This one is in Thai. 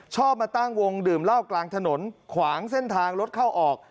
มาตั้งวงดื่มเหล้ากลางถนนขวางเส้นทางรถเข้าออก